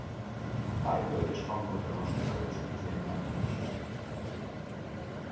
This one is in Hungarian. Thaiföld és Kambodzsa lassú folyású vizeiben honos.